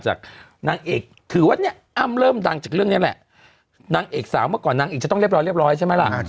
นางเอกถือว่าเนี่ยอ้ำเริ่มดังจากเรื่องนี้แหละนางเอกสาวเมื่อก่อนนางเอกจะต้องเรียบร้อยเรียบร้อยใช่ไหมล่ะ